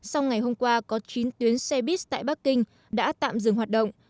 sau ngày hôm qua có chín tuyến xe buýt tại bắc kinh đã tạm dừng hoạt động